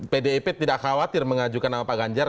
pdip tidak khawatir mengajukan nama pak ganjar